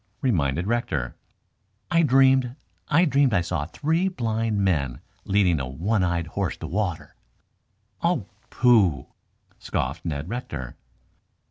reminded Rector. "I dreamed I dreamed I saw three blind men leading a one eyed horse to water." "Oh, pooh!" scoffed Ned Rector.